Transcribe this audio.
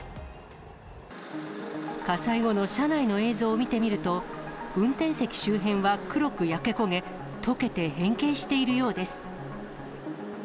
火災後の車内の映像を見てみると、運転席周辺は黒く焼け焦げ、溶けて変形しているようです。